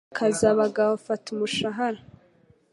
Akazi abagabo! Fata umushahara!